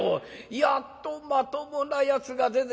やっとまともなやつが出てきたよ。